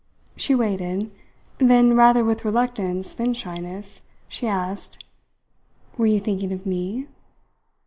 She waited. Then, rather with reluctance than shyness, she asked: "Were you thinking of me?"